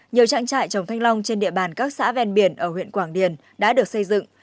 nhiều trang trại trồng thanh long trên địa bàn các xã ven biển ở huyện quảng điền đã được xây dựng